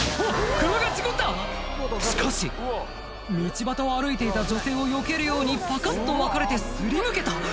車が事故ったしかし道端を歩いていた女性をよけるようにパカっと分かれて擦り抜けた